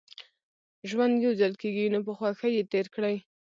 ژوند يوځل کېږي نو په خوښۍ يې تېر کړئ